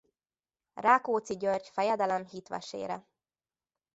Rákóczi György fejedelem hitvesére.